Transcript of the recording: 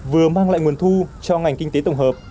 vừa mang lại nguồn thu cho ngành kinh tế tổng hợp